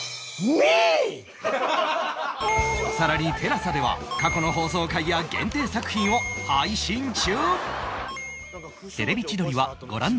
さらに ＴＥＬＡＳＡ では過去の放送回や限定作品を配信中！